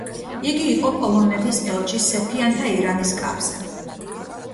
იგი იყო პოლონეთის ელჩი სეფიანთა ირანის კარზე.